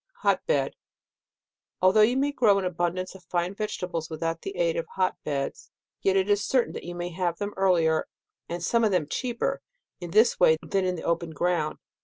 Hot Bed. — Although you may grow an abundance of fine vegetables without the aid of hot beds, yet it is certain you may have them earlier, and some of them cheaper, in this way, than in the open ground.